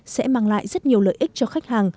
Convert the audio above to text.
sẽ mang lại rất nhiều lợi ích cho khách hàng